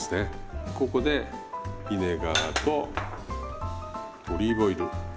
ここでビネガーとオリーブオイル。